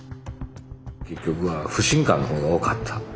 結局は不信感の方が多かった。